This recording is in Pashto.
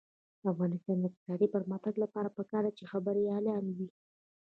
د افغانستان د اقتصادي پرمختګ لپاره پکار ده چې خبریالان وي.